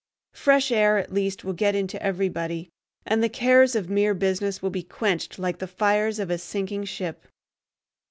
Fresh air at least will get into everybody, and the cares of mere business will be quenched like the fires of a sinking ship.